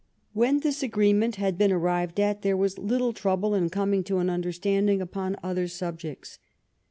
When this agreement had been arrived at there was little trouble in coming to an understanding upon other subjects.